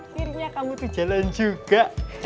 akhirnya kamu itu jalan juga